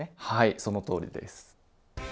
はいそのとおりです。